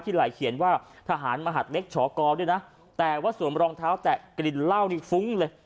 ไหลเขียนว่าทหารมหัดเล็กชกด้วยนะแต่ว่าสวมรองเท้าแตะกลิ่นเหล้านี่ฟุ้งเลย